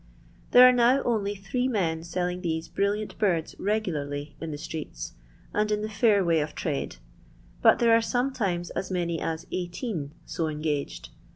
There are now only^three men selling these brilliant birds regularly in the streets, and in the fair way of trade ; but there are sometimes as many as 18 so engaged.